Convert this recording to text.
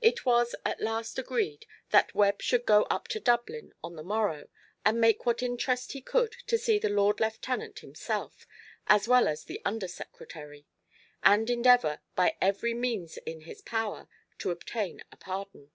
It was at last agreed that Webb should go up to Dublin on the morrow, and make what interest he could to see the Lord Lieutenant himself, as well as the Under Secretary; and endeavour, by every means in his power, to obtain a pardon.